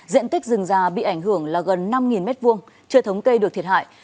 diện tích rừng già bị ảnh hưởng là gần năm m hai chưa thống cây được thiệt hại